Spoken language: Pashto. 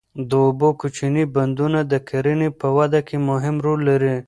د اوبو کوچني بندونه د کرنې په وده کې مهم رول لري.